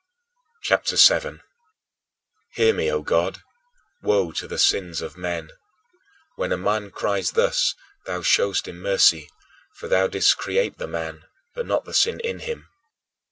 CHAPTER VII 11. "Hear me, O God! Woe to the sins of men!" When a man cries thus, thou showest him mercy, for thou didst create the man but not the sin in him.